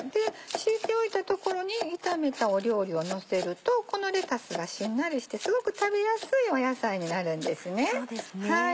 敷いておいた所に炒めた料理をのせるとこのレタスがしんなりしてすごく食べやすい野菜になるんですね。